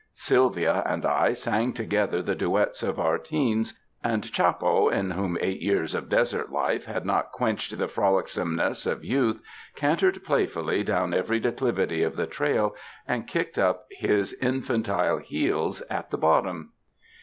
Sylvia and I sang to gether the duets of our teens, and Chappo in whom eight years of desert life had not quenched the frolicsomeness of youth, cantered playfully down every declivity of the trail and kicked up his in fantile heels at the bottom.